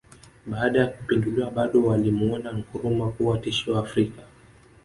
Baada ya kupinduliwa bado walimuona Nkrumah kuwa tishio Afrika